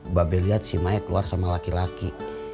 mbak be liat si maek keluar sama laki laki